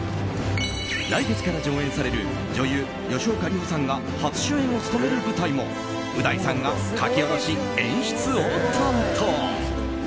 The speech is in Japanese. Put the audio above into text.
来月から上演される女優・吉岡里帆さんが初主演を務める舞台もう大さんが書き下ろし演出を担当。